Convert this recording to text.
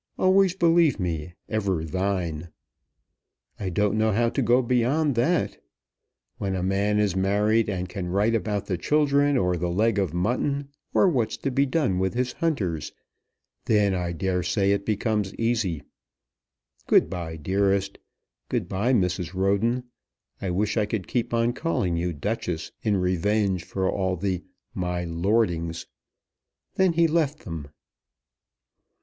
Always believe me ever thine.' I don't know how to go beyond that. When a man is married, and can write about the children, or the leg of mutton, or what's to be done with his hunters, then I dare say it becomes easy. Good bye dearest. Good bye, Mrs. Roden. I wish I could keep on calling you Duchess in revenge for all the 'my lordings.'" Then he left them.